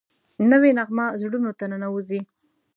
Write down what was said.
نوې نغمه زړونو ته ننوځي